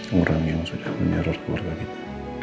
orang yang sudah menyorot keluarga kita